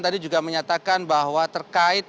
tadi juga menyatakan bahwa terkait